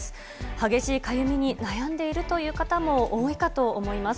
激しいかゆみに悩んでいるという方も多いかと思います。